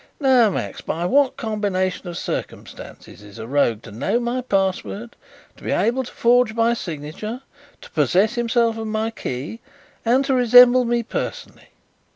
Now, Max, by what combination of circumstances is a rogue to know my password, to be able to forge my signature, to possess himself of my key, and to resemble me personally?